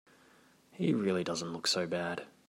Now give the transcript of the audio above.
He really doesn't look so bad.